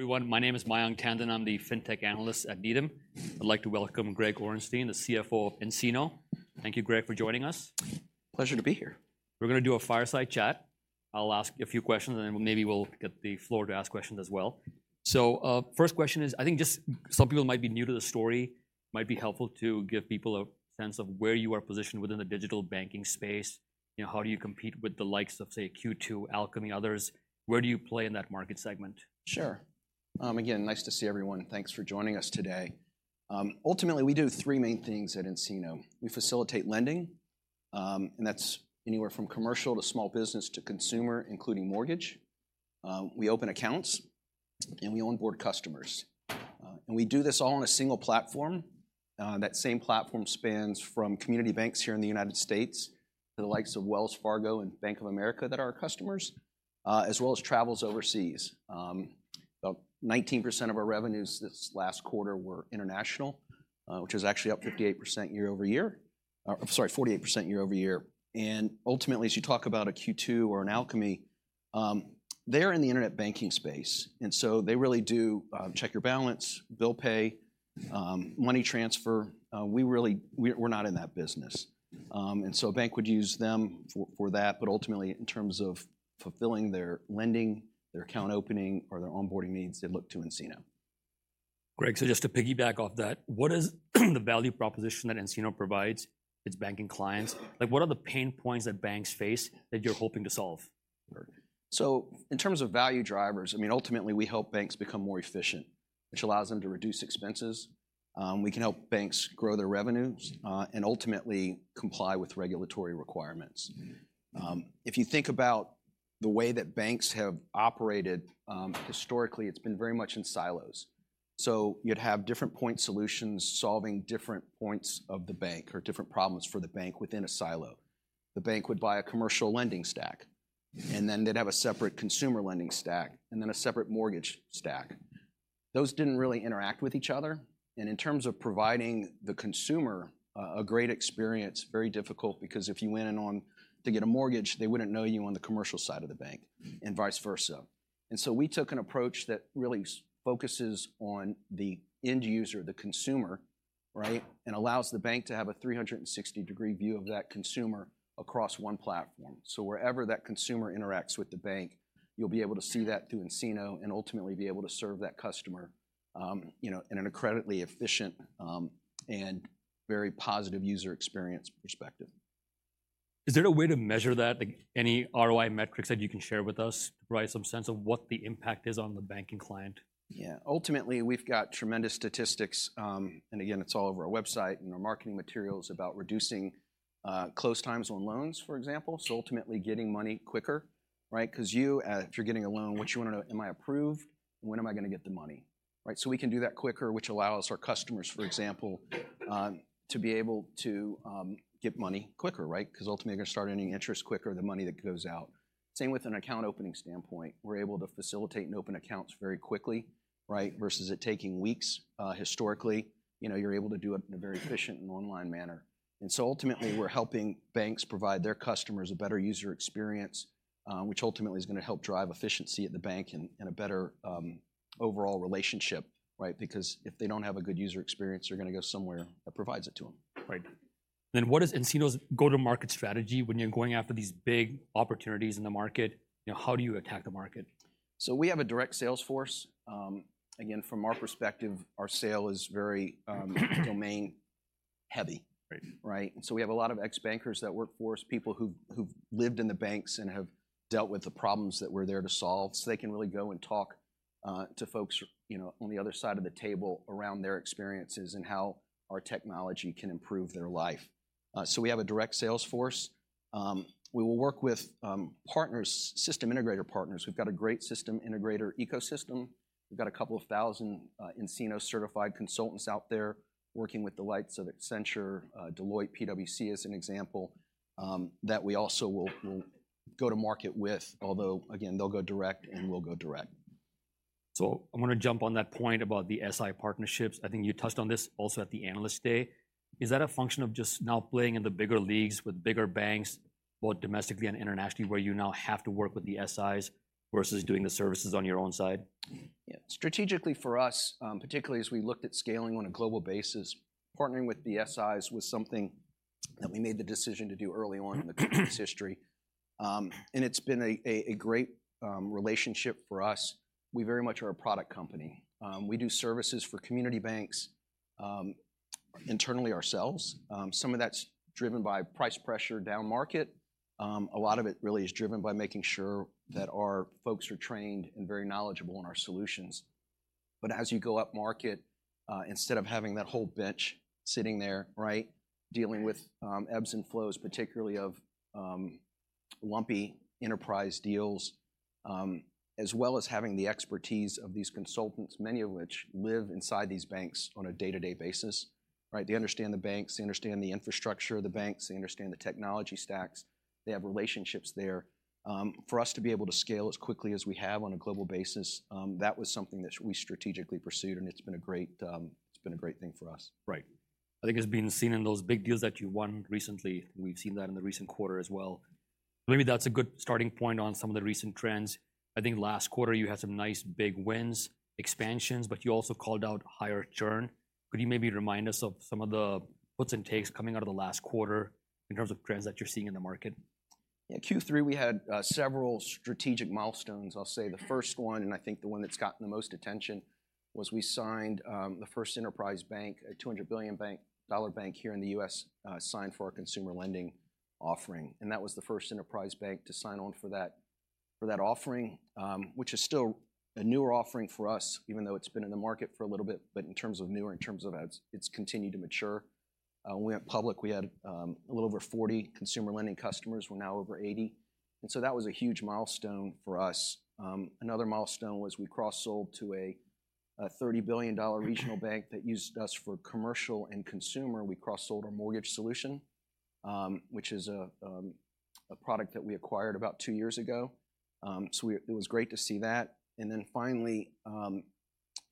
Everyone, my name is Mayank Tandon. I'm the fintech analyst at Needham. I'd like to welcome Greg Orenstein, the CFO of nCino. Thank you, Greg, for joining us. Pleasure to be here. We're gonna do a fireside chat. I'll ask you a few questions, and then maybe we'll get the floor to ask questions as well. So, first question is, I think just some people might be new to the story, might be helpful to give people a sense of where you are positioned within the digital banking space. You know, how do you compete with the likes of, say, Q2, Alkami, others? Where do you play in that market segment? Sure. Again, nice to see everyone, and thanks for joining us today. Ultimately, we do three main things at nCino. We facilitate lending, and that's anywhere from commercial to small business to consumer, including mortgage. We open accounts, and we onboard customers. And we do this all on a single platform. That same platform spans from community banks here in the United States to the likes of Wells Fargo and Bank of America that are our customers, as well as travels overseas. About 19% of our revenues this last quarter were international, which is actually up 58% year-over-year. Sorry, 48% year-over-year. And ultimately, as you talk about a Q2 or an Alkami, they're in the internet banking space, and so they really do check your balance, bill pay, money transfer. We're not in that business. And so a bank would use them for that, but ultimately, in terms of fulfilling their lending, their account opening, or their onboarding needs, they look to nCino. Greg, so just to piggyback off that, what is the value proposition that nCino provides its banking clients? Like, what are the pain points that banks face that you're hoping to solve? So in terms of value drivers, I mean, ultimately, we help banks become more efficient, which allows them to reduce expenses. We can help banks grow their revenues, and ultimately, comply with regulatory requirements. If you think about the way that banks have operated, historically, it's been very much in silos. So you'd have different point solutions solving different points of the bank or different problems for the bank within a silo. The bank would buy a commercial lending stack, and then they'd have a separate consumer lending stack and then a separate mortgage stack. Those didn't really interact with each other, and in terms of providing the consumer a, a great experience, very difficult because if you went in on to get a mortgage, they wouldn't know you on the commercial side of the bank and vice versa. We took an approach that really focuses on the end user, the consumer, right? And allows the bank to have a 360-degree view of that consumer across one platform. So wherever that consumer interacts with the bank, you'll be able to see that through nCino and ultimately be able to serve that customer, you know, in an incredibly efficient and very positive user experience perspective. Is there a way to measure that? Like, any ROI metrics that you can share with us to provide some sense of what the impact is on the banking client? Yeah. Ultimately, we've got tremendous statistics, and again, it's all over our website and our marketing materials about reducing, close times on loans, for example. So ultimately, getting money quicker, right? 'Cause you, if you're getting a loan, what you want to know, am I approved, and when am I gonna get the money, right? So we can do that quicker, which allows our customers, for example, to be able to, get money quicker, right? 'Cause ultimately, you're gonna start earning interest quicker, the money that goes out. Same with an account opening standpoint. We're able to facilitate and open accounts very quickly, right? Versus it taking weeks, historically. You know, you're able to do it in a very efficient and online manner. And so ultimately, we're helping banks provide their customers a better user experience, which ultimately is gonna help drive efficiency at the bank and a better overall relationship, right? Because if they don't have a good user experience, they're gonna go somewhere that provides it to them. Right. Then, what is nCino's go-to-market strategy when you're going after these big opportunities in the market? You know, how do you attack the market? We have a direct sales force. Again, from our perspective, our sale is very domain heavy. Right. Right? And so we have a lot of ex-bankers that work for us, people who've lived in the banks and have dealt with the problems that we're there to solve. So they can really go and talk to folks, you know, on the other side of the table around their experiences and how our technology can improve their life. So we have a direct sales force. We will work with partners, system integrator partners. We've got a great system integrator ecosystem. We've got 2,000 nCino certified consultants out there working with the likes of Accenture, Deloitte, PwC, as an example, that we also will go to market with. Although, again, they'll go direct, and we'll go direct. So I wanna jump on that point about the SI partnerships. I think you touched on this also at the Analyst Day. Is that a function of just now playing in the bigger leagues with bigger banks, both domestically and internationally, where you now have to work with the SIs versus doing the services on your own side? Yeah. Strategically for us, particularly as we looked at scaling on a global basis, partnering with the SIs was something that we made the decision to do early on in the company's history. And it's been a great relationship for us. We very much are a product company. We do services for community banks, internally ourselves. Some of that's driven by price pressure downmarket. A lot of it really is driven by making sure that our folks are trained and very knowledgeable in our solutions. But as you go upmarket, instead of having that whole bench sitting there, right, dealing with- Right... ebbs and flows, particularly of lumpy enterprise deals, as well as having the expertise of these consultants, many of which live inside these banks on a day-to-day basis, right? They understand the banks, they understand the infrastructure of the banks, they understand the technology stacks. They have relationships there. For us to be able to scale as quickly as we have on a global basis, that was something that we strategically pursued, and it's been a great, it's been a great thing for us. Right. I think it's been seen in those big deals that you won recently. We've seen that in the recent quarter as well. Maybe that's a good starting point on some of the recent trends. I think last quarter you had some nice big wins, expansions, but you also called out higher churn. Could you maybe remind us of some of the puts and takes coming out of the last quarter in terms of trends that you're seeing in the market? Yeah, Q3, we had several strategic milestones. I'll say the first one, and I think the one that's gotten the most attention, was we signed the first enterprise bank, a $200 billion-dollar bank here in the U.S., signed for our consumer lending offering. And that was the first enterprise bank to sign on for that, for that offering, which is still a newer offering for us, even though it's been in the market for a little bit, but in terms of newer, in terms of it's, it's continued to mature. When we went public, we had a little over 40 consumer lending customers. We're now over 80, and so that was a huge milestone for us. Another milestone was we cross-sold to a $30 billion-dollar regional bank that used us for commercial and consumer. We cross-sold our mortgage solution, which is a product that we acquired about two years ago. It was great to see that. And then finally,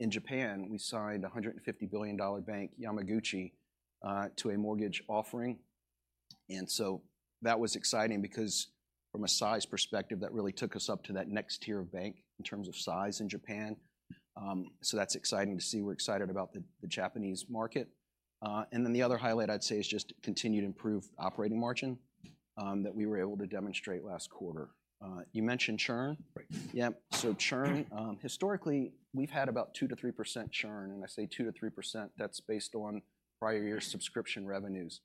in Japan, we signed a $150 billion bank, Yamaguchi, to a mortgage offering. And so that was exciting because from a size perspective, that really took us up to that next tier of bank in terms of size in Japan. So that's exciting to see. We're excited about the Japanese market. And then the other highlight I'd say is just continued improved operating margin that we were able to demonstrate last quarter. You mentioned churn? Right. Yeah. Churn, historically, we've had about 2%-3% churn, and I say 2%-3%, that's based on prior year subscription revenues.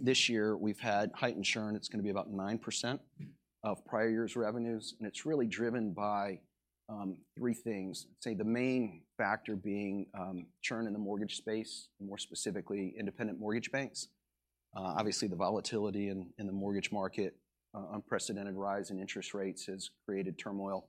This year, we've had heightened churn, it's gonna be about 9% of prior year's revenues, and it's really driven by three things. I'd say the main factor being churn in the mortgage space, more specifically, independent mortgage banks. Obviously, the volatility in the mortgage market, unprecedented rise in interest rates has created turmoil,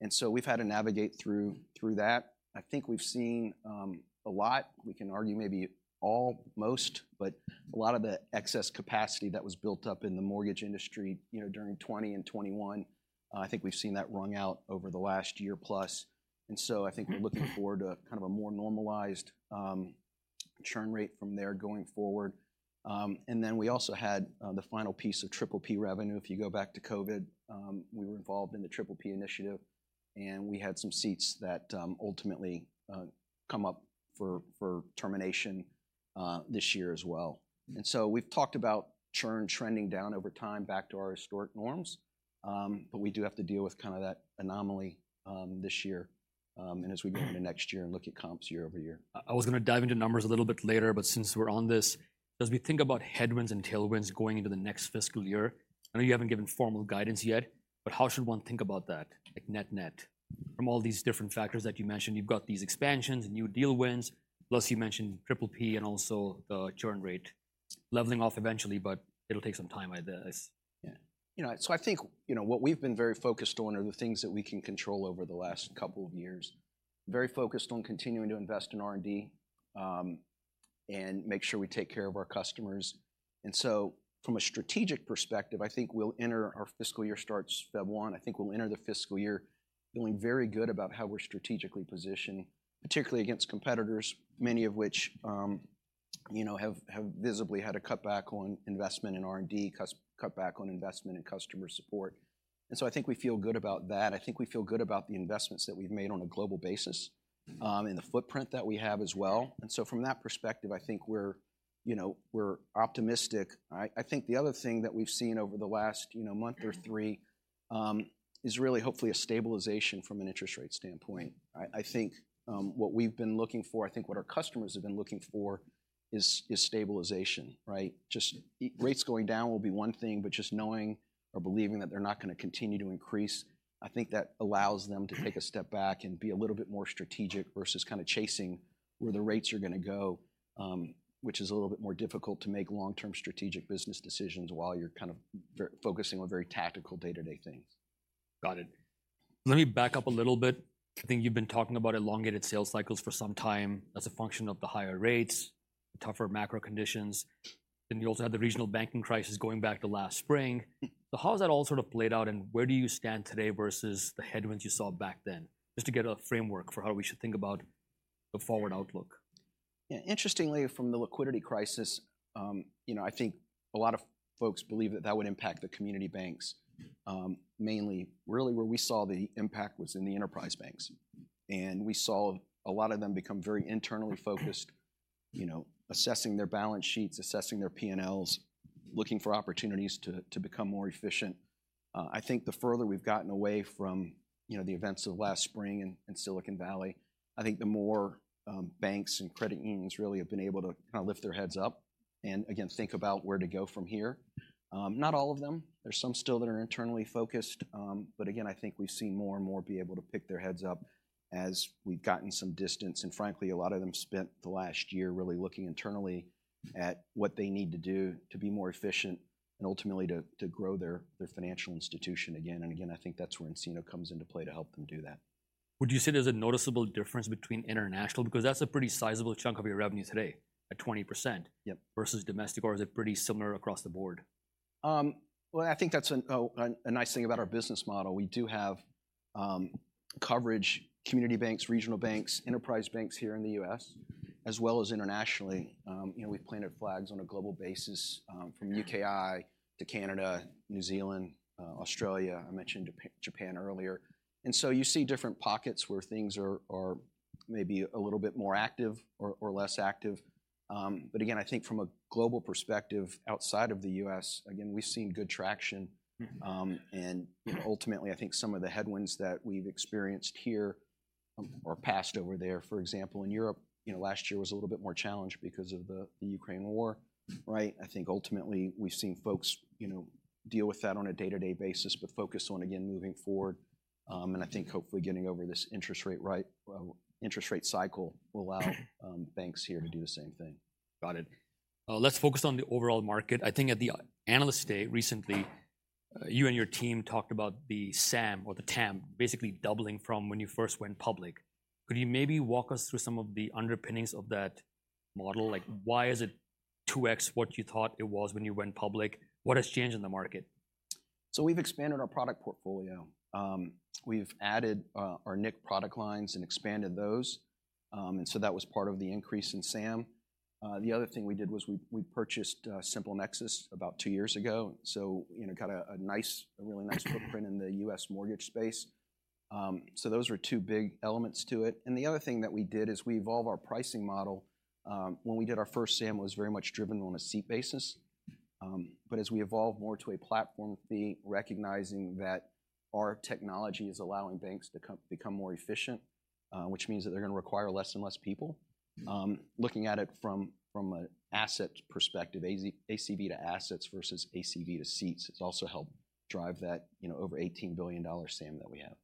and so we've had to navigate through that. I think we've seen a lot. We can argue maybe all, most, but a lot of the excess capacity that was built up in the mortgage industry, you know, during 2020 and 2021, I think we've seen that wrung out over the last year plus. And so I think we're looking forward to kind of a more normalized churn rate from there going forward. And then we also had the final piece of PPP revenue. If you go back to COVID, we were involved in the PPP initiative, and we had some seats that ultimately come up for termination this year as well. And so we've talked about churn trending down over time back to our historic norms, but we do have to deal with kind of that anomaly this year, and as we go into next year and look at comps year-over-year. I was gonna dive into numbers a little bit later, but since we're on this, as we think about headwinds and tailwinds going into the next fiscal year, I know you haven't given formal guidance yet, but how should one think about that, like net-net? From all these different factors that you mentioned, you've got these expansions and new deal wins, plus you mentioned PPP and also the churn rate leveling off eventually, but it'll take some time, I... Yeah. You know, so I think, you know, what we've been very focused on are the things that we can control over the last couple of years. Very focused on continuing to invest in R&D, and make sure we take care of our customers. And so from a strategic perspective, I think we'll enter... Our fiscal year starts February 1. I think we'll enter the fiscal year feeling very good about how we're strategically positioned, particularly against competitors, many of which, you know, have visibly had to cut back on investment in R&D, cut back on investment in customer support. And so I think we feel good about that. I think we feel good about the investments that we've made on a global basis, and the footprint that we have as well. And so from that perspective, I think we're, you know, we're optimistic. I think the other thing that we've seen over the last, you know, month or three, is really, hopefully, a stabilization from an interest rate standpoint. I think what we've been looking for, I think what our customers have been looking for is stabilization, right? Just rates going down will be one thing, but just knowing or believing that they're not gonna continue to increase, I think that allows them to take a step back and be a little bit more strategic versus kind of chasing where the rates are gonna go, which is a little bit more difficult to make long-term strategic business decisions while you're kind of focusing on very tactical day-to-day things. Got it. Let me back up a little bit. I think you've been talking about elongated sales cycles for some time as a function of the higher rates, tougher macro conditions, and you also had the regional banking crisis going back to last spring. So how has that all sort of played out, and where do you stand today versus the headwinds you saw back then? Just to get a framework for how we should think about the forward outlook. Yeah, interestingly, from the liquidity crisis, you know, I think a lot of folks believe that that would impact the community banks, mainly. Really, where we saw the impact was in the enterprise banks, and we saw a lot of them become very internally focused, you know, assessing their balance sheets, assessing their P&Ls, looking for opportunities to become more efficient. I think the further we've gotten away from, you know, the events of last spring in Silicon Valley, I think the more banks and credit unions really have been able to kind of lift their heads up and again, think about where to go from here. Not all of them. There's some still that are internally focused, but again, I think we've seen more and more be able to pick their heads up as we've gotten some distance, and frankly, a lot of them spent the last year really looking internally at what they need to do to be more efficient and ultimately to, to grow their, their financial institution again and again. I think that's where nCino comes into play to help them do that. Would you say there's a noticeable difference between international? Because that's a pretty sizable chunk of your revenue today, at 20%- Yep... versus domestic, or is it pretty similar across the board? Well, I think that's a nice thing about our business model. We do have coverage community banks, regional banks, enterprise banks here in the U.S. as well as internationally. You know, we've planted flags on a global basis, from UKI to Canada, New Zealand, Australia. I mentioned Japan earlier. And so you see different pockets where things are maybe a little bit more active or less active. But again, I think from a global perspective, outside of the U.S., again, we've seen good traction. Mm-hmm. And, you know, ultimately, I think some of the headwinds that we've experienced here are passed over there. For example, in Europe, you know, last year was a little bit more challenged because of the Ukraine war, right? I think ultimately, we've seen folks, you know, deal with that on a day-to-day basis, but focus on, again, moving forward. And I think hopefully getting over this interest rate cycle will allow banks here to do the same thing. Got it. Let's focus on the overall market. I think at the Analyst Day recently, you and your team talked about the SAM or the TAM basically doubling from when you first went public. Could you maybe walk us through some of the underpinnings of that model? Like, why is it 2x what you thought it was when you went public? What has changed in the market? So we've expanded our product portfolio. We've added our nIQ product lines and expanded those. And so that was part of the increase in SAM. The other thing we did was we purchased SimpleNexus about two years ago, so you know, got a nice, really nice- Mm-hmm... footprint in the U.S. mortgage space. So those are two big elements to it. And the other thing that we did is we evolved our pricing model. When we did our first SAM, it was very much driven on a seat basis. But as we evolve more to a platform fee, recognizing that our technology is allowing banks to become more efficient, which means that they're gonna require less and less people. Looking at it from an asset perspective, ACV to assets versus ACV to seats, it's also helped drive that, you know, over $18 billion SAM that we have.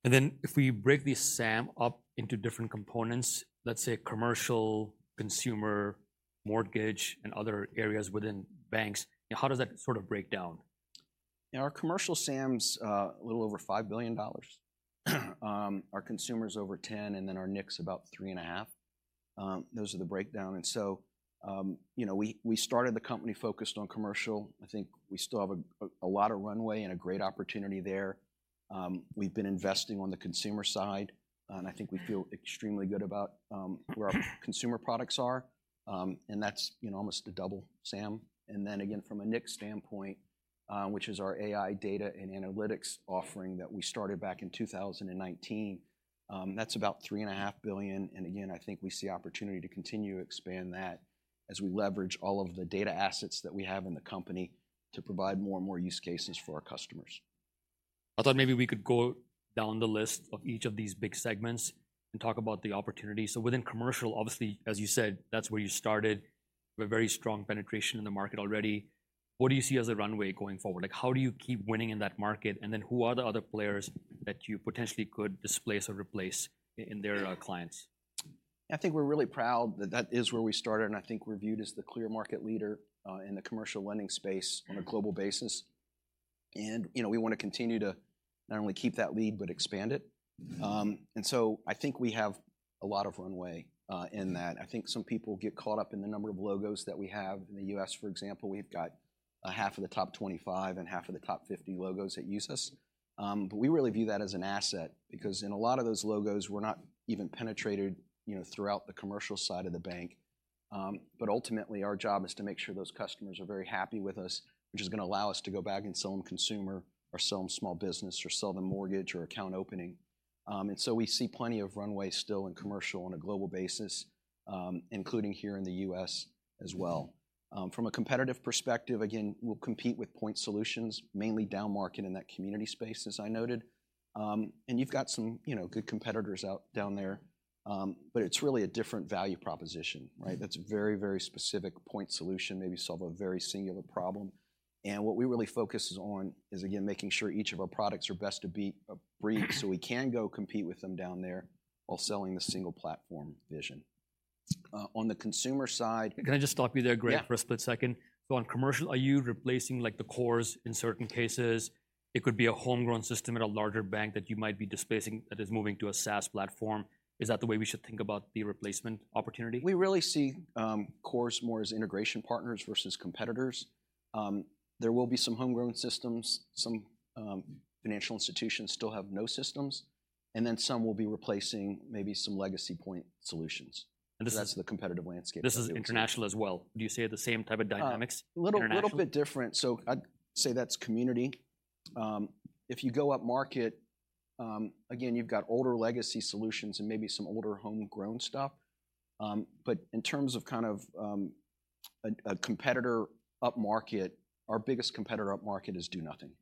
Okay. And then if we break the SAM up into different components, let's say commercial, consumer, mortgage, and other areas within banks, how does that sort of break down? Yeah, our commercial SAM is a little over $5 billion. Our consumer is over $10 billion, and then our nIQ is about $3.5 billion. Those are the breakdown. And so, you know, we started the company focused on commercial. I think we still have a lot of runway and a great opportunity there. We've been investing on the consumer side, and I think we feel extremely good about where our consumer products are. And that's, you know, almost a double SAM. And then again, from a nIQ standpoint, which is our AI data and analytics offering that we started back in 2019, that's about $3.5 billion. And again, I think we see opportunity to continue to expand that as we leverage all of the data assets that we have in the company to provide more and more use cases for our customers. I thought maybe we could go down the list of each of these big segments and talk about the opportunity. So within commercial, obviously, as you said, that's where you started, with very strong penetration in the market already. What do you see as a runway going forward? Like, how do you keep winning in that market? And then who are the other players that you potentially could displace or replace in their clients? I think we're really proud that that is where we started, and I think we're viewed as the clear market leader in the commercial lending space on a global basis. And, you know, we want to continue to not only keep that lead but expand it. Mm-hmm. And so I think we have a lot of runway in that. I think some people get caught up in the number of logos that we have. In the U.S., for example, we've got a half of the top 25 and half of the top 50 logos that use us. But we really view that as an asset because in a lot of those logos, we're not even penetrated, you know, throughout the commercial side of the bank. But ultimately, our job is to make sure those customers are very happy with us, which is gonna allow us to go back and sell them consumer or sell them small business or sell them mortgage or account opening. And so we see plenty of runway still in commercial on a global basis, including here in the U.S. as well. From a competitive perspective, again, we'll compete with point solutions, mainly downmarket in that community space, as I noted. And you've got some, you know, good competitors out down there, but it's really a different value proposition, right? Mm-hmm. That's a very, very specific point solution, maybe solve a very singular problem. And what we really focus on is, again, making sure each of our products are best to breed. Mm-hmm. so we can go compete with them down there while selling the single platform vision. On the consumer side- Can I just stop you there, Greg- Yeah. For a split second? So on commercial, are you replacing, like, the cores in certain cases? It could be a homegrown system at a larger bank that you might be displacing that is moving to a SaaS platform. Is that the way we should think about the replacement opportunity? We really see cores more as integration partners versus competitors. There will be some homegrown systems, some financial institutions still have no systems, and then some will be replacing maybe some legacy point solutions. And this is- That's the competitive landscape. This is international as well. Do you see the same type of dynamics internationally? Little bit different. So I'd say that's community. If you go up market, again, you've got older legacy solutions and maybe some older homegrown stuff. But in terms of kind of, a competitor upmarket, our biggest competitor upmarket is do nothing-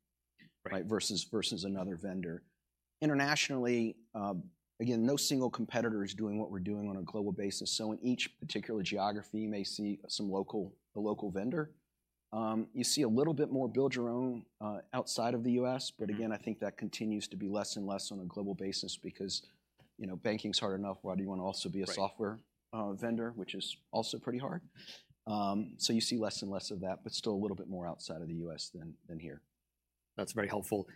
Right... versus another vendor. Internationally, again, no single competitor is doing what we're doing on a global basis, so in each particular geography, you may see some local vendor. You see a little bit more build your own outside of the U.S., but again- Mm-hmm... I think that continues to be less and less on a global basis because, you know, banking is hard enough. Why do you want to also be a software- Right... vendor, which is also pretty hard? So you see less and less of that, but still a little bit more outside of the US than here. That's very helpful.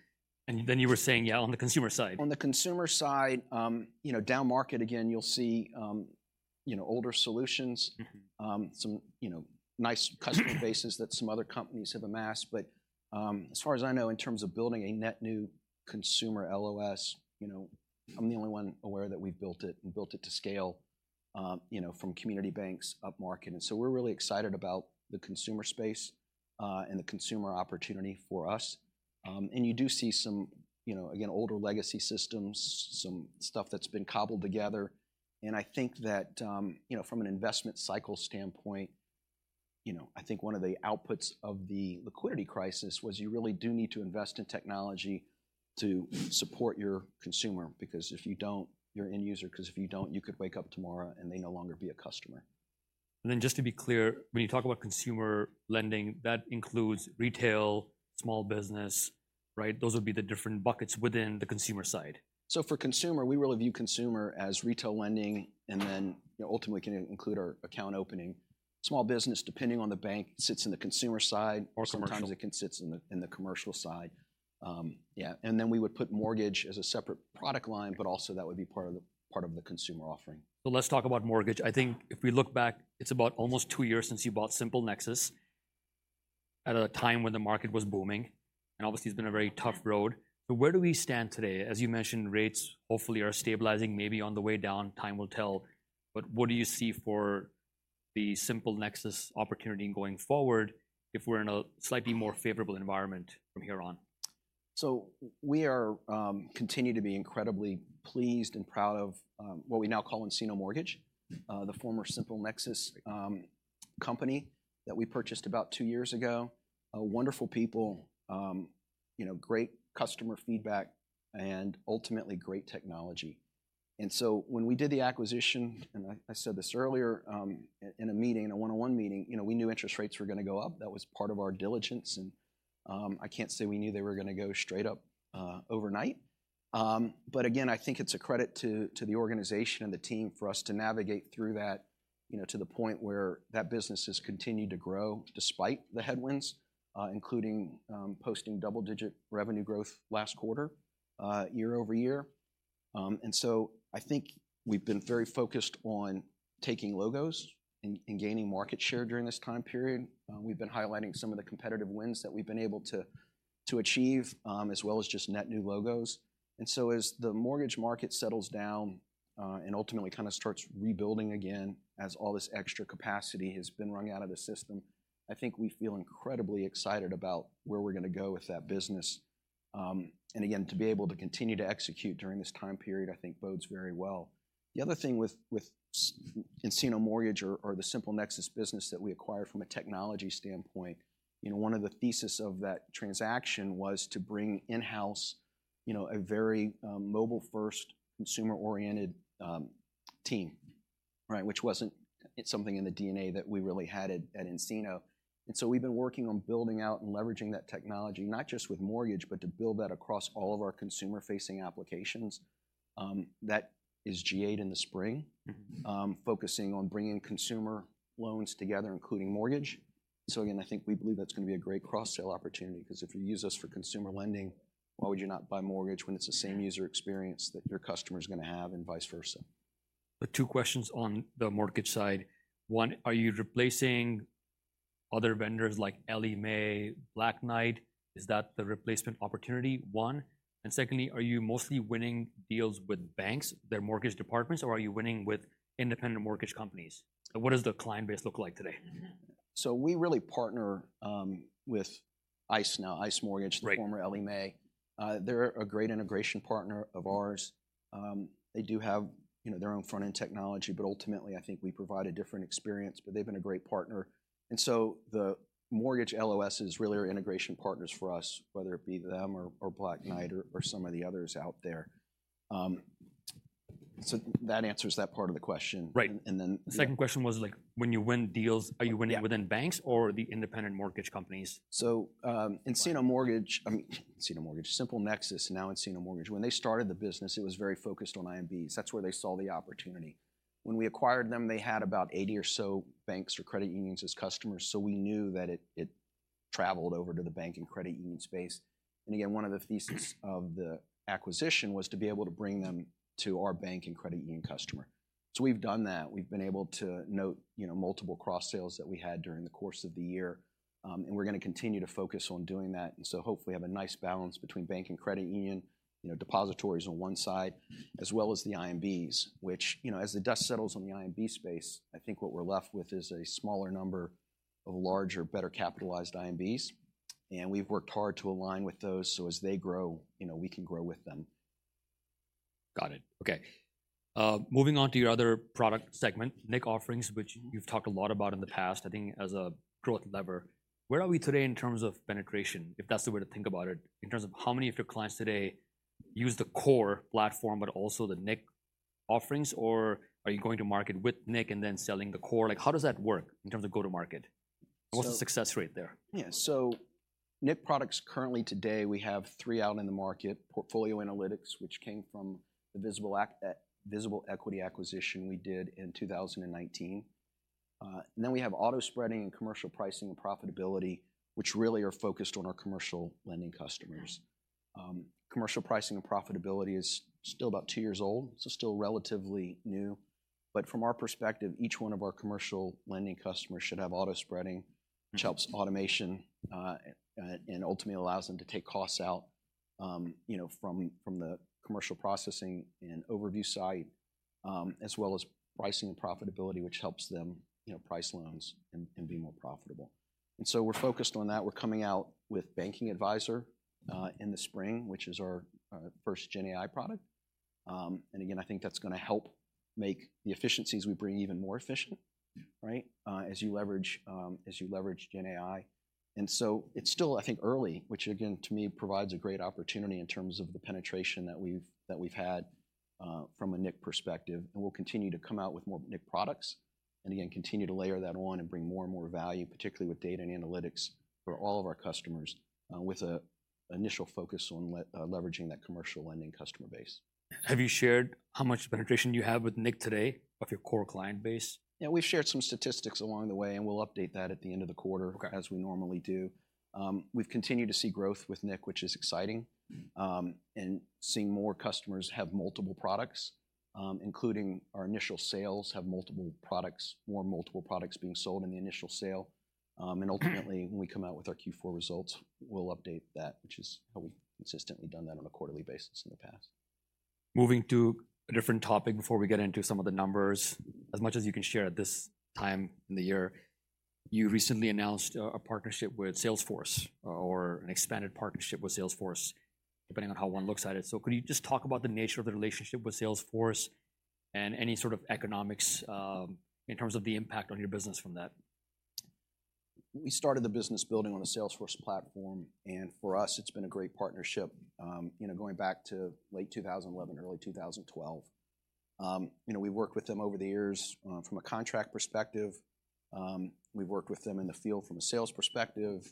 Then you were saying, yeah, on the consumer side. On the consumer side, you know, downmarket, again, you'll see, you know, older solutions. Mm-hmm. Some, you know, nice customer bases that some other companies have amassed, but, as far as I know, in terms of building a net new consumer LOS, you know, I'm the only one aware that we've built it and built it to scale, you know, from community banks upmarket. So we're really excited about the consumer space, and the consumer opportunity for us. You do see some, you know, again, older legacy systems, some stuff that's been cobbled together, and I think that, you know, from an investment cycle standpoint, you know, I think one of the outputs of the liquidity crisis was you really do need to invest in technology to support your consumer. Because if you don't, you could wake up tomorrow, and they no longer be a customer. Just to be clear, when you talk about consumer lending, that includes retail, small business, right? Those would be the different buckets within the consumer side. So for consumer, we really view consumer as retail lending, and then, you know, ultimately, can include our account opening. Small business, depending on the bank, sits in the consumer side- Or commercial. Sometimes it can sit in the commercial side. Yeah, and then we would put mortgage as a separate product line, but also that would be part of the consumer offering. So let's talk about mortgage. I think if we look back, it's about almost two years since you bought SimpleNexus, at a time when the market was booming, and obviously, it's been a very tough road. So where do we stand today? As you mentioned, rates hopefully are stabilizing, maybe on the way down, time will tell. But what do you see for the SimpleNexus opportunity going forward if we're in a slightly more favorable environment from here on? So we continue to be incredibly pleased and proud of what we now call nCino Mortgage- Mm. the former SimpleNexus company that we purchased about two years ago. A wonderful people, you know, great customer feedback, and ultimately, great technology. And so when we did the acquisition, and I, I said this earlier, in a meeting, in a one-on-one meeting, you know, we knew interest rates were gonna go up. That was part of our diligence, and, I can't say we knew they were gonna go straight up, overnight. But again, I think it's a credit to, to the organization and the team for us to navigate through that, you know, to the point where that business has continued to grow despite the headwinds, including, posting double-digit revenue growth last quarter, year over year. And so I think we've been very focused on taking logos and, and gaining market share during this time period. We've been highlighting some of the competitive wins that we've been able to achieve, as well as just net new logos. And so as the mortgage market settles down, and ultimately, kind of starts rebuilding again, as all this extra capacity has been wrung out of the system, I think we feel incredibly excited about where we're gonna go with that business. And again, to be able to continue to execute during this time period, I think bodes very well. The other thing with nCino Mortgage or the SimpleNexus business that we acquired, from a technology standpoint, you know, one of the theses of that transaction was to bring in-house, you know, a very mobile-first, consumer-oriented team, right? Which wasn't something in the DNA that we really had at nCino. And so we've been working on building out and leveraging that technology, not just with mortgage, but to build that across all of our consumer-facing applications. That is G8 in the spring- Mm-hmm. Focusing on bringing consumer loans together, including mortgage. So again, I think we believe that's gonna be a great cross-sell opportunity, 'cause if you use us for consumer lending, why would you not buy mortgage when it's the same user experience that your customer's gonna have, and vice versa? But two questions on the mortgage side. One, are you replacing other vendors like Ellie Mae, Black Knight? Is that the replacement opportunity, one? And secondly, are you mostly winning deals with banks, their mortgage departments, or are you winning with independent mortgage companies? What does the client base look like today? So we really partner with ICE now, ICE Mortgage- Right... the former Ellie Mae. They're a great integration partner of ours. They do have, you know, their own front-end technology, but ultimately, I think we provide a different experience, but they've been a great partner. And so the mortgage LOS is really our integration partners for us, whether it be them or, or Black Knight- Mm... or some of the others out there. So that answers that part of the question. Right. And then the- Second question was, like, when you win deals- Yeah... are you winning within banks or the independent mortgage companies? So, nCino Mortgage- Right. I mean, nCino Mortgage, SimpleNexus, now nCino Mortgage. When they started the business, it was very focused on IMBs. That's where they saw the opportunity. When we acquired them, they had about 80 or so banks or credit unions as customers, so we knew that it traveled over to the bank and credit union space. And again, one of the thesis of the acquisition was to be able to bring them to our bank and credit union customer. So we've done that. We've been able to note, you know, multiple cross-sales that we had during the course of the year. We're gonna continue to focus on doing that, and so hopefully have a nice balance between bank and credit union, you know, depositories on one side, as well as the IMBs, which, you know, as the dust settles on the IMB space, I think what we're left with is a smaller number of larger, better capitalized IMBs. And we've worked hard to align with those, so as they grow, you know, we can grow with them. Got it. Okay. Moving on to your other product segment, nIQ offerings, which you've talked a lot about in the past, I think, as a growth lever. Where are we today in terms of penetration, if that's the way to think about it, in terms of how many of your clients today use the core platform, but also the nIQ offerings, or are you going to market with nIQ and then selling the core? Like, how does that work in terms of go-to-market? So- What's the success rate there? Yeah, so nCino products currently today, we have three out in the market: Portfolio Analytics, which came from the Visible Equity acquisition we did in 2019, and then we have Auto Spreading and Commercial Pricing and Profitability, which really are focused on our commercial lending customers. Commercial Pricing and Profitability is still about two years old, so still relatively new, but from our perspective, each one of our commercial lending customers should have Auto Spreading, which helps automation and ultimately allows them to take costs out, you know, from the commercial processing and overview side, as well as Pricing and Profitability, which helps them, you know, price loans and be more profitable. And so we're focused on that. We're coming out with Banking Advisor in the spring, which is our first Gen AI product. And again, I think that's gonna help make the efficiencies we bring even more efficient, right? As you leverage, as you leverage Gen AI. And so it's still, I think, early, which again, to me, provides a great opportunity in terms of the penetration that we've, that we've had, from an nCino perspective. And we'll continue to come out with more nCino products, and again, continue to layer that on and bring more and more value, particularly with data and analytics, for all of our customers, with an initial focus on leveraging that commercial lending customer base. Have you shared how much penetration you have with nCino today of your core client base? Yeah, we've shared some statistics along the way, and we'll update that at the end of the quarter. Okay. as we normally do. We've continued to see growth with nCino, which is exciting, and seeing more customers have multiple products, including our initial sales, have multiple products, more multiple products being sold in the initial sale. And ultimately, when we come out with our Q4 results, we'll update that, which is how we've consistently done that on a quarterly basis in the past. Moving to a different topic before we get into some of the numbers. As much as you can share at this time in the year, you recently announced a partnership with Salesforce or an expanded partnership with Salesforce, depending on how one looks at it. So could you just talk about the nature of the relationship with Salesforce and any sort of economics in terms of the impact on your business from that? We started the business building on a Salesforce platform, and for us, it's been a great partnership, you know, going back to late 2011, early 2012. You know, we worked with them over the years, from a contract perspective. We've worked with them in the field from a sales perspective,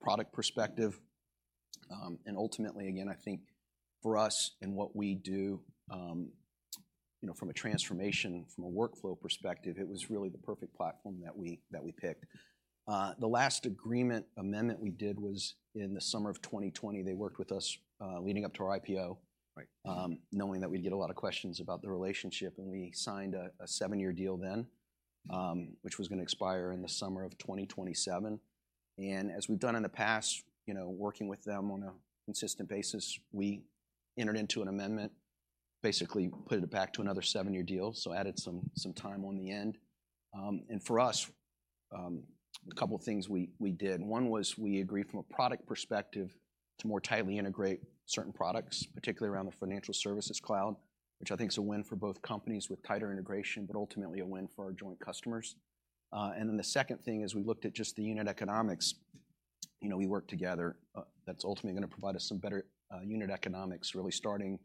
product perspective, and ultimately, again, I think for us and what we do, you know, from a transformation, from a workflow perspective, it was really the perfect platform that we, that we picked. The last agreement amendment we did was in the summer of 2020. They worked with us, leading up to our IPO- Right. Knowing that we'd get a lot of questions about the relationship, and we signed a seven-year deal then, which was gonna expire in the summer of 2027. And as we've done in the past, you know, working with them on a consistent basis, we entered into an amendment, basically put it back to another seven-year deal, so added some time on the end. And for us, a couple of things we did. One was we agreed from a product perspective to more tightly integrate certain products, particularly around the Financial Services Cloud, which I think is a win for both companies with tighter integration, but ultimately a win for our joint customers. And then the second thing is we looked at just the unit economics. You know, we worked together, that's ultimately gonna provide us some better unit economics, really starting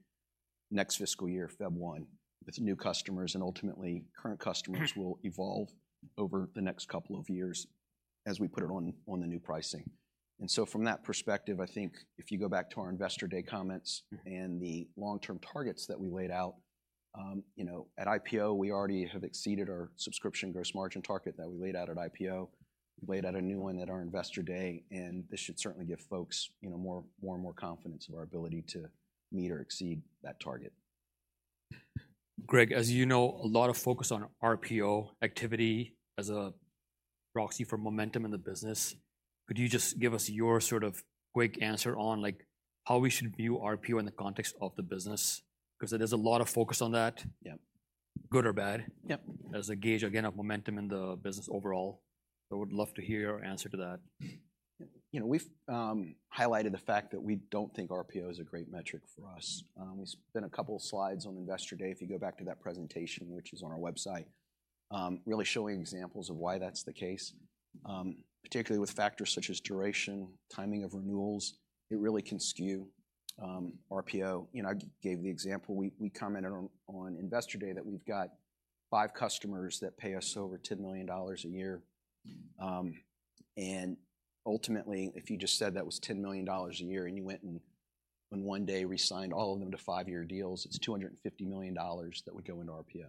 next fiscal year, February 1, with new customers, and ultimately, current customers will evolve over the next couple of years as we put it on, on the new pricing. And so from that perspective, I think if you go back to our Investor Day comments and the long-term targets that we laid out, you know, at IPO, we already have exceeded our subscription gross margin target that we laid out at IPO. We laid out a new one at our Investor Day, and this should certainly give folks, you know, more, more and more confidence in our ability to meet or exceed that target. Greg, as you know, a lot of focus on RPO activity as a proxy for momentum in the business. Could you just give us your sort of quick answer on, like, how we should view RPO in the context of the business? Because there's a lot of focus on that. Yeah. good or bad? Yeah... as a gauge, again, of momentum in the business overall. I would love to hear your answer to that. You know, we've highlighted the fact that we don't think RPO is a great metric for us. We spent a couple of slides on Investor Day, if you go back to that presentation, which is on our website, really showing examples of why that's the case. Particularly with factors such as duration, timing of renewals, it really can skew RPO. You know, I gave the example, we commented on Investor Day that we've got five customers that pay us over $10 million a year. And ultimately, if you just said that was $10 million a year, and you went and in one day, re-signed all of them to five-year deals, it's $250 million that would go into RPO,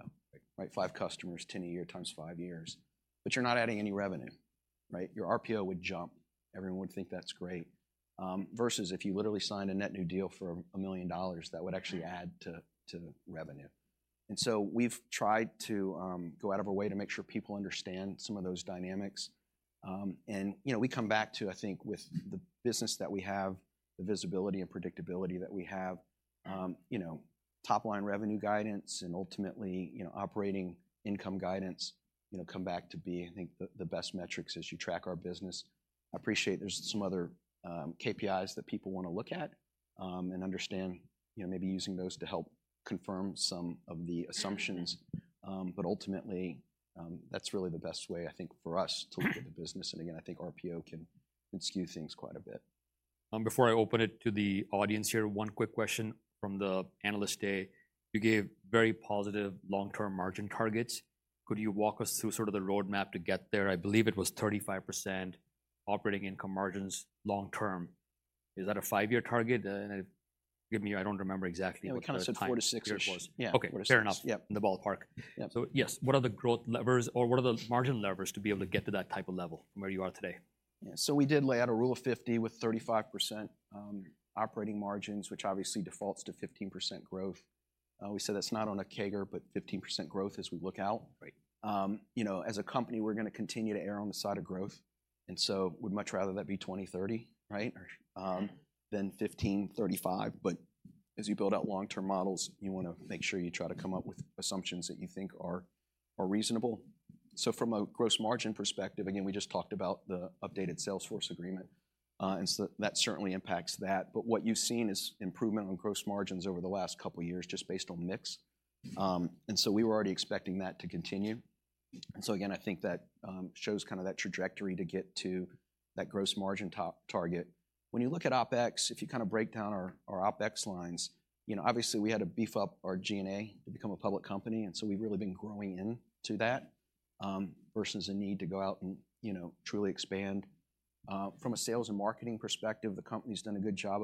right? Five customers, $10 million a year times five years. But you're not adding any revenue, right? Your RPO would jump. Everyone would think that's great. Versus if you literally signed a net new deal for $1 million, that would actually add to revenue. And so we've tried to go out of our way to make sure people understand some of those dynamics. And, you know, we come back to, I think, with the business that we have, the visibility and predictability that we have, you know, top-line revenue guidance and ultimately, you know, operating income guidance, you know, come back to be, I think, the best metrics as you track our business. I appreciate there's some other KPIs that people wanna look at, and understand, you know, maybe using those to help confirm some of the assumptions. But ultimately, that's really the best way, I think, for us to look at the business. Again, I think RPO can skew things quite a bit. Before I open it to the audience here, one quick question from the Analyst Day. You gave very positive long-term margin targets. Could you walk us through sort of the roadmap to get there? I believe it was 35% operating income margins long term. Is that a five-year target? Forgive me, I don't remember exactly what the time period was. We kind of said 4 to 6-ish. Yeah. Okay, fair enough. Yep. In the ballpark. Yeah. So yes, what are the growth levers or what are the margin levers to be able to get to that type of level from where you are today? Yeah, so we did lay out a Rule of 50 with 35% operating margins, which obviously defaults to 15% growth. We said that's not on a CAGR, but 15% growth as we look out. Right. You know, as a company, we're gonna continue to err on the side of growth, and so we'd much rather that be 20/30, right? Than 15/35. But as you build out long-term models, you wanna make sure you try to come up with assumptions that you think are, are reasonable. So from a gross margin perspective, again, we just talked about the updated Salesforce agreement, and so that certainly impacts that. But what you've seen is improvement on gross margins over the last couple of years, just based on mix. And so we were already expecting that to continue. And so again, I think that, shows kind of that trajectory to get to that gross margin top target. When you look at OpEx, if you kind of break down our OpEx lines, you know, obviously, we had to beef up our G&A to become a public company, and so we've really been growing into that versus a need to go out and, you know, truly expand. From a sales and marketing perspective, the company's done a good job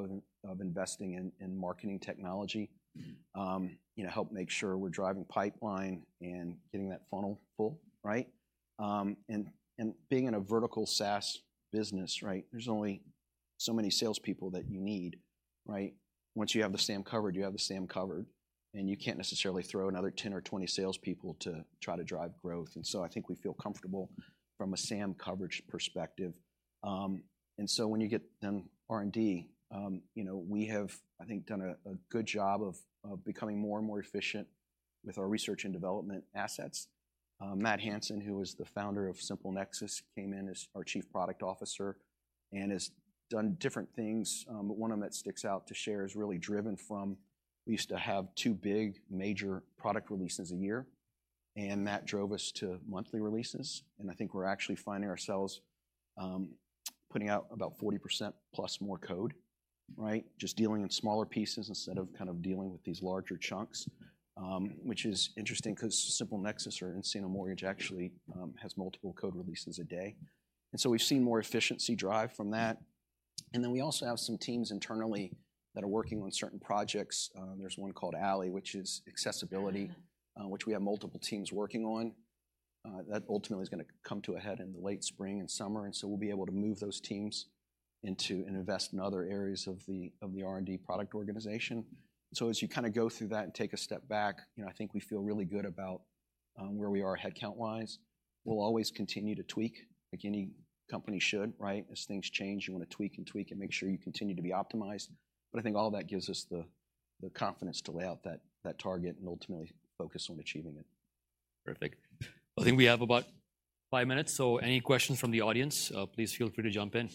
of investing in marketing technology. You know, help make sure we're driving pipeline and getting that funnel full, right? And being in a vertical SaaS business, right, there's only so many salespeople that you need, right? Once you have the SAM covered, you have the SAM covered, and you can't necessarily throw another 10 or 20 salespeople to try to drive growth. And so I think we feel comfortable from a SAM coverage perspective. and so when you get then R&D, you know, we have, I think, done a good job of becoming more and more efficient with our research and development assets. Matt Hansen, who is the founder of SimpleNexus, came in as our Chief Product Officer and has done different things. But one of them that sticks out to share is really driven from, we used to have two big major product releases a year, and Matt drove us to monthly releases, and I think we're actually finding ourselves putting out about 40% plus more code, right? Just dealing in smaller pieces instead of kind of dealing with these larger chunks, which is interesting because SimpleNexus or nCino Mortgage actually has multiple code releases a day. We've seen more efficiency drive from that. Then we also have some teams internally that are working on certain projects. There's one called A11, which is accessibility- Ah. which we have multiple teams working on. That ultimately is gonna come to a head in the late spring and summer, and so we'll be able to move those teams into and invest in other areas of the R&D product organization. So as you kind of go through that and take a step back, you know, I think we feel really good about where we are headcount-wise. We'll always continue to tweak, like any company should, right? As things change, you want to tweak and tweak and make sure you continue to be optimized. But I think all of that gives us the confidence to lay out that target and ultimately focus on achieving it. Perfect. I think we have about five minutes, so any questions from the audience, please feel free to jump in.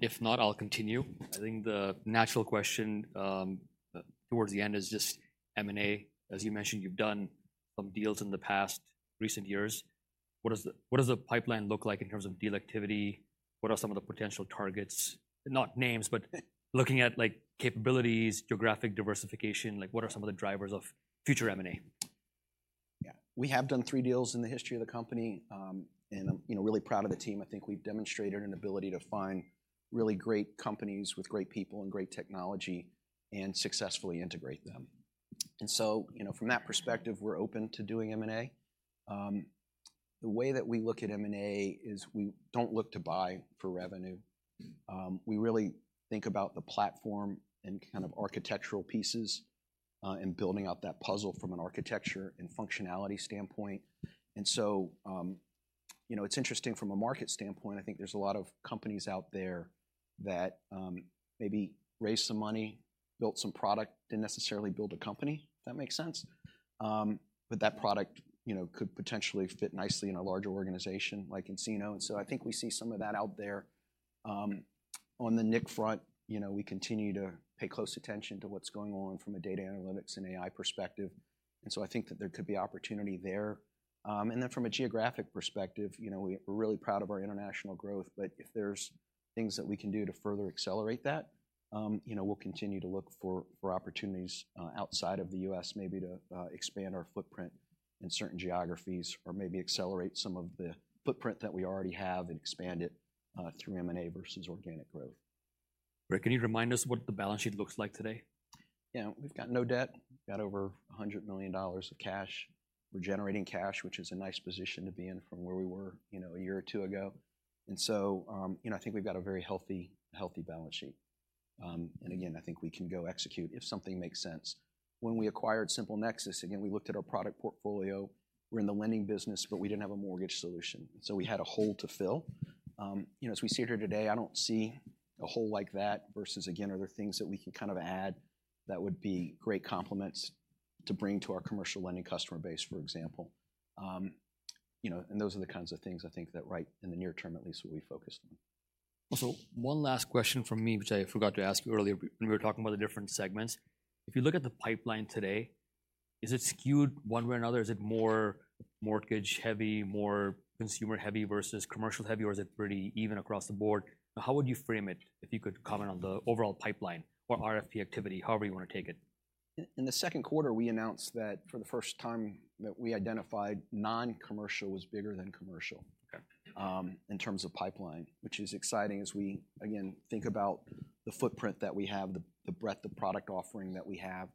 If not, I'll continue. I think the natural question, towards the end is just M&A. As you mentioned, you've done some deals in the past recent years. What does the, what does the pipeline look like in terms of deal activity? What are some of the potential targets? Not names, but looking at, like, capabilities, geographic diversification, like, what are some of the drivers of future M&A? Yeah. We have done three deals in the history of the company, and, you know, really proud of the team. I think we've demonstrated an ability to find really great companies with great people and great technology and successfully integrate them. And so, you know, from that perspective, we're open to doing M&A. The way that we look at M&A is we don't look to buy for revenue. We really think about the platform and kind of architectural pieces, and building out that puzzle from an architecture and functionality standpoint. And so, you know, it's interesting from a market standpoint, I think there's a lot of companies out there that, maybe raised some money, built some product, didn't necessarily build a company, if that makes sense. But that product, you know, could potentially fit nicely in a larger organization like nCino. And so I think we see some of that out there. On the nCino front, you know, we continue to pay close attention to what's going on from a data analytics and AI perspective, and so I think that there could be opportunity there. And then from a geographic perspective, you know, we're really proud of our international growth, but if there's things that we can do to further accelerate that, you know, we'll continue to look for opportunities outside of the U.S., maybe to expand our footprint in certain geographies or maybe accelerate some of the footprint that we already have and expand it through M&A versus organic growth. Rick, can you remind us what the balance sheet looks like today? Yeah. We've got no debt, got over $100 million of cash. We're generating cash, which is a nice position to be in from where we were, you know, a year or two ago. And so, you know, I think we've got a very healthy, healthy balance sheet. And again, I think we can go execute if something makes sense. When we acquired SimpleNexus, again, we looked at our product portfolio. We're in the lending business, but we didn't have a mortgage solution, so we had a hole to fill. You know, as we sit here today, I don't see a hole like that versus, again, are there things that we can kind of add that would be great complements to bring to our commercial lending customer base, for example. You know, those are the kinds of things I think that right in the near term at least, we'll be focused on. One last question from me, which I forgot to ask you earlier when we were talking about the different segments. If you look at the pipeline today, is it skewed one way or another? Is it more mortgage-heavy, more consumer-heavy versus commercial-heavy, or is it pretty even across the board? How would you frame it if you could comment on the overall pipeline or RFP activity, however you want to take it? In the second quarter, we announced that for the first time that we identified non-commercial was bigger than commercial- Okay... in terms of pipeline, which is exciting as we, again, think about the footprint that we have, the breadth of product offering that we have.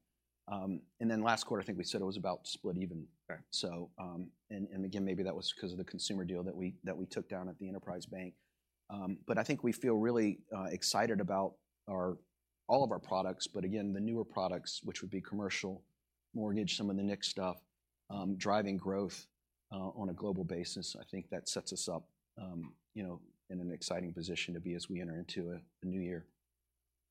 And then last quarter, I think we said it was about split even. Okay. And again, maybe that was because of the consumer deal that we took down at the enterprise bank. But I think we feel really excited about all of our products. But again, the newer products, which would be commercial mortgage, some of the nIQ stuff, driving growth on a global basis, I think that sets us up, you know, in an exciting position as we enter into a new year.